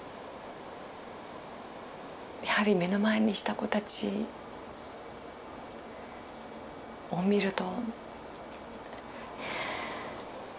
やはり目の前にした子たちを見ると。